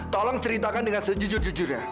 tolong ceritakan dengan sejujur jujurnya